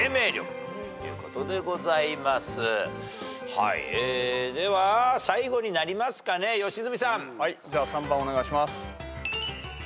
はい解説。では最後になりますかね良純さん。じゃあ３番お願いします。